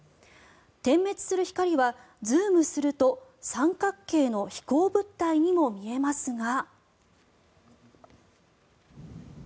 点滅する光はズームすると三角形の飛行物体にも見えますが。